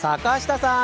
坂下さん